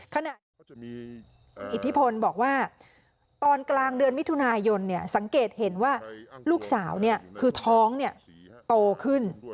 ขณะอิทธิพลบอกว่าตอนกลางเดือนมิถุนายนสังเกตเห็นว่าลูกสาวคือท้องโตขึ้น